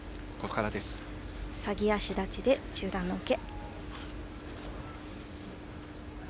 鷺足立ちで中段の受け。